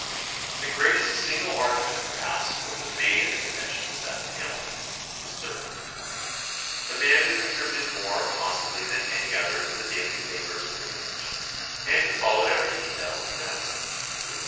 The great est single argument, perhaps, which was made in the convention was that of Hamilton, who was 30. The THE CONSTITUTION AND ITS MAKERS 41 man who contributed more, possibly, than any other to the daily labors of the convention and who followed every detail was Madison, who was 36.